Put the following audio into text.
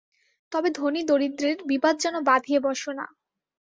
তবে ধনী-দরিদ্রের বিবাদ যেন বাধিয়ে বসো না।